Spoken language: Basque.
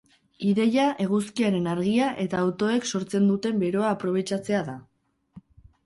Ideia, eguzkiaren argia eta autoek sortzen duten beroa aprobetxatzea da.